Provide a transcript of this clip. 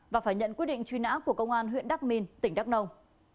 và phải nhận quyết định truy nã của công an huyện đắc minh tỉnh đắk nông